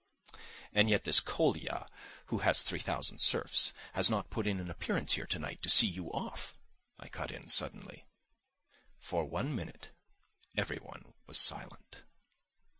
"And yet this Kolya, who has three thousand serfs, has not put in an appearance here tonight to see you off," I cut in suddenly. For one minute every one was silent.